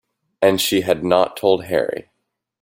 And she had not told Harry!